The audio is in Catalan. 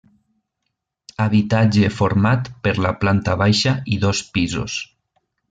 Habitatge format per la planta baixa i dos pisos.